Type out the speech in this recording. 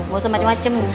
gak usah macem macem